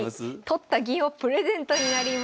「取った銀をプレゼント」になります。